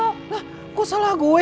lah kok salah gue